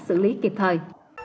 xử lý kịp thời